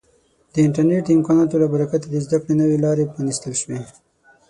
د انټرنیټ د امکاناتو له برکته د زده کړې نوې لارې پرانیستل شوي.